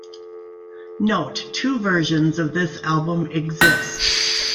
Note: Two versions of this album exist.